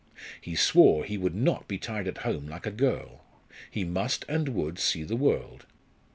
He swore he would not be tied at home like a girl; he must and would see the world.